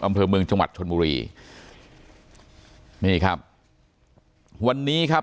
อำเภอเมืองจังหวัดชนบุรีนี่ครับวันนี้ครับ